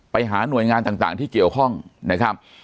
ไปหาหน่วยงานต่างที่เกี่ยวข้องนะครับ